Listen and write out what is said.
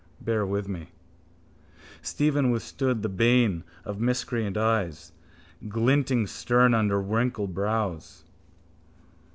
Bear with me. Stephen withstood the bane of miscreant eyes glinting stern under wrinkled brows.